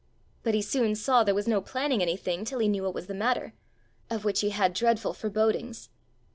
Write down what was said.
But he soon saw there was no planning anything till he knew what was the matter of which he had dreadful forebodings.